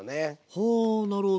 はあなるほど。